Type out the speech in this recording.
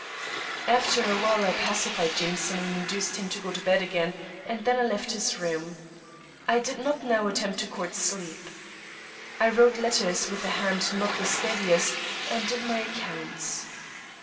After a while I pacified Jameson, and induced him to go to bed again, and then I left his room. I did not now attempt to court sleep. I wrote letters with a hand not the steadiest, and did my accounts.